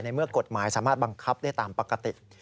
เมื่อกฎหมายสามารถบังคับได้ตามปกติ